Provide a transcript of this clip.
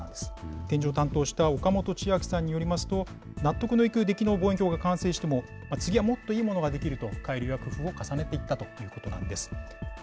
展示を担当した岡本千秋さんによりますと、納得のいく出来の望遠鏡が完成しても、次はもっといいものができると、改良や工夫を重ねていったということなんです。